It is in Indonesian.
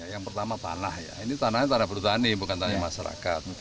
yang pertama tanah ya ini tanahnya tanah bertani bukan tanah masyarakat